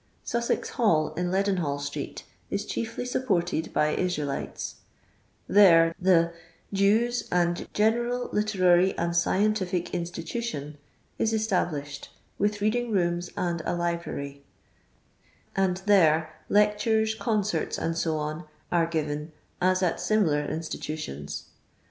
Sussex hall, in Leadeuhall strcet, is chiefly mp pnrted by Israelites ; there the " Jews' and General Literary and Scientific Institution" ij established, with reading roomi and a library; and there lectures, concerts, &c, arc giyen as at similar institutions.